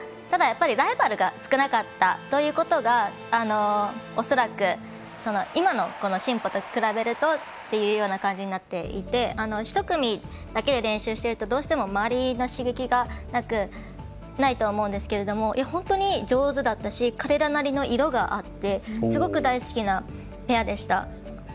ただ、やっぱりライバルが少なかったということが恐らく、今の進歩と比べるとっていう感じになっていて１組だけで練習しているとどうしても周りの刺激がないと思うんですけど本当に上手だったし彼らなりの色があってすごく大好きなペアでした。